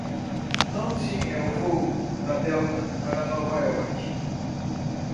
Não tinha voo da Delta pra Nova Iorque.